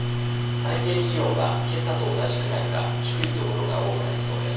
最低気温はけさと同じくらいか低いところが多くなりそうです。